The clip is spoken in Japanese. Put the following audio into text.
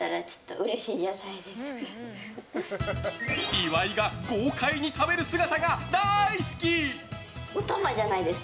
岩井が豪快に食べる姿が大好き。